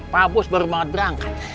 pak bus baru banget berangkat